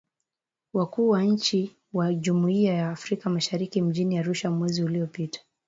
Wakuu wa Nchi wa Jumuiya ya Afrika Mashariki mjini Arusha mwezi uliopita